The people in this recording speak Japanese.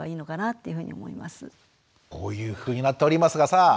こういうふうになっておりますがさあ小澤さん